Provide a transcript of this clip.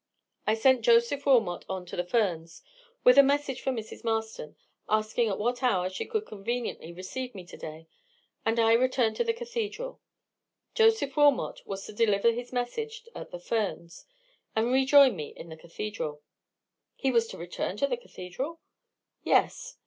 I sent Joseph Wilmot on to the Ferns with a message for Mrs. Marston, asking at what hour she could conveniently receive me to day; and I returned to the cathedral. Joseph Wilmot was to deliver his message at the Ferns, and rejoin me in the cathedral." "He was to return to the cathedral?" "Yes."